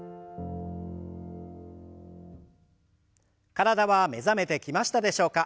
体は目覚めてきましたでしょうか？